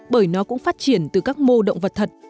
bởi nó cũng phát triển từ các mô động vật thật